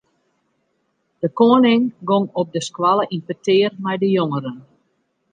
De koaning gong op de skoalle yn petear mei de jongeren.